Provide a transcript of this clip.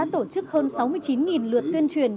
tổ chức hơn sáu mươi chín lượt tuyên truyền